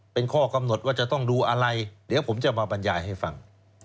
เป็นข้อกำหนดว่าจะต้องดูอะไรเดี๋ยวผมจะมาบรรยายให้ฟัง